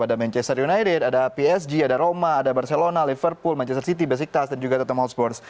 ada manchester united ada psg ada roma ada barcelona liverpool manchester city besiktas dan juga tottenham hotspurs